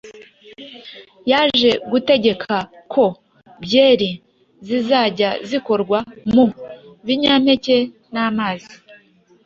Yaje gutegeka ko byeri zizajya zikorwa mu binyampeke n’amazi